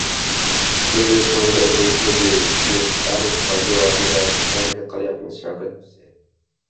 Biz yurtimizda Uchinchi Renessans poydevorini yaratishga harakat qilyapmiz,-Shavkat Mirziyoyev